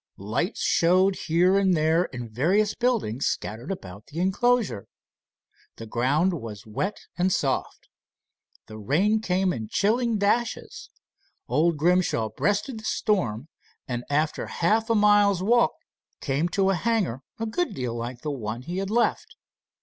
Lights showed here and there in the various buildings scattered about the enclosure. The ground was wet and soft. The rain came in chilling dashes. Old Grimshaw breasted the storm, and after half a mile's walk came to a hangar a good deal like the one he had left.